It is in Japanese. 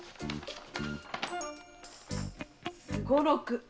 双六！